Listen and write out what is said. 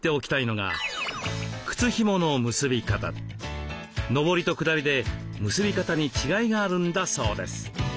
のぼりとくだりで結び方に違いがあるんだそうです。